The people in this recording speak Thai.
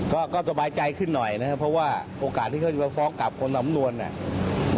ก็ก็สบายใจขึ้นหน่อยนะครับเพราะว่าโอกาสที่เขาจะมาฟ้องกลับคนสำนวนเนี่ย